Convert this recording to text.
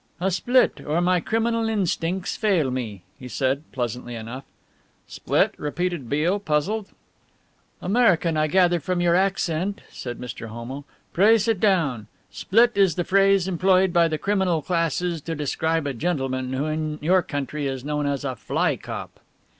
"A split! or my criminal instincts fail me," he said, pleasantly enough. "Split?" repeated Beale, puzzled. "American I gather from your accent," said Mr. Homo; "pray sit down. 'Split' is the phrase employed by the criminal classes to describe a gentleman who in your country is known as a 'fly cop'!"